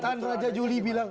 pernyataan raja juli bilang